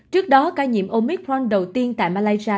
trước đó ca nhiễm omicron đầu tiên tại malaysia